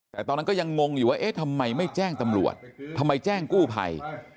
แต่ตอนนั้นก็ยังงงอยู่ว่าเอ๊ะทำไมไม่แจ้งตำรวจทำไมแจ้งกู้ภัย